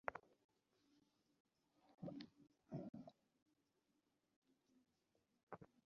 মনে হচ্ছে কেউ তোমার জন্য অপেক্ষা করছে।